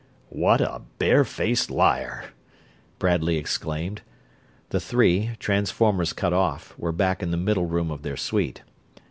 "What a barefaced liar!" Bradley exclaimed. The three, transformers cut off, were back in the middle room of their suite.